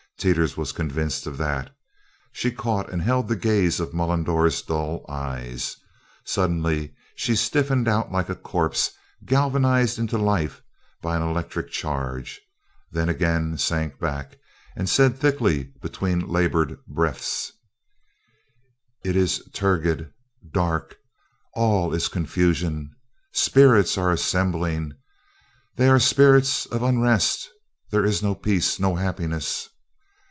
Teeters was convinced of that. She caught and held the gaze of Mullendore's dull eyes. Suddenly she stiffened out like a corpse galvanized into life by an electric charge, then again sank back, and said thickly between labored breaths: "It is turgid dark all is confusion spirits are assembling they are spirits of unrest there is no peace no happiness.